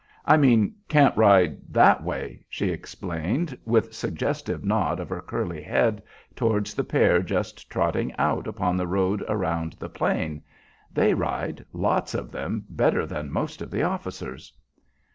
I mean can't ride that way," she explained, with suggestive nod of her curly head towards the pair just trotting out upon the road around the Plain. "They ride lots of them better than most of the officers."